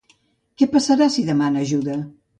Què passarà si demana ajuda?